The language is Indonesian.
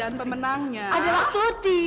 dan pemenangnya adalah tuti